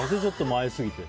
前すぎて。